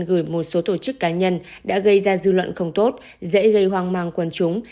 gửi một số tổ chức cá nhân đã gây ra dư luận không tốt dễ gây hoang mang quần chúng